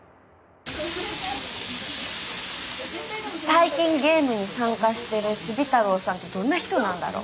最近ゲームに参加してるチビ太郎さんってどんな人なんだろう。